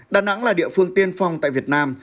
đà nẵng là địa phương tiên phong tại việt nam